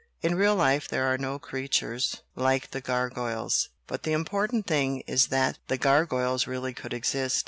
"In real life there are no creatures like the gar goyles, but the important thing is that the gar goyles really could exist.